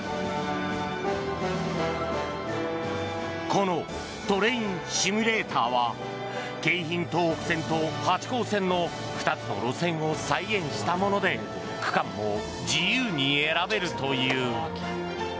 このトレインシミュレーターは京浜東北線と八高線の２つの路線を再現したもので区間も自由に選べるという。